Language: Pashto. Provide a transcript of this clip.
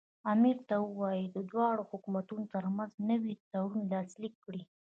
امیر ته ووایي چې د دواړو حکومتونو ترمنځ نوی تړون لاسلیک کړي.